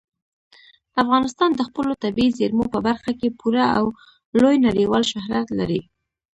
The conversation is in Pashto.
افغانستان د خپلو طبیعي زیرمو په برخه کې پوره او لوی نړیوال شهرت لري.